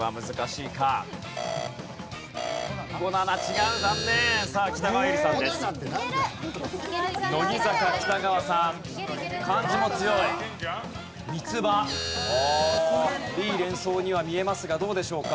いい連想には見えますがどうでしょうか？